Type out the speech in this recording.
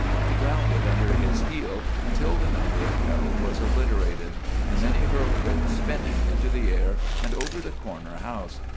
He ground it under his heel until the number it held was obliterated, and then he hurled it spinning into the air and over the corner house.